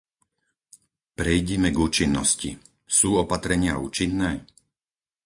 Prejdime k účinnosti. Sú opatrenia účinné?